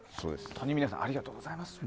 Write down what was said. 本当に峰さん、ありがとうございます。